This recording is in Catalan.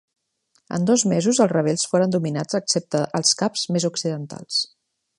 En dos mesos els rebels foren dominats excepte els caps més occidentals.